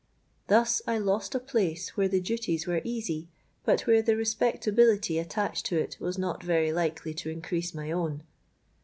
Thus I lost a place where the duties were easy, but where the respectability attached to it was not very likely to increase my own.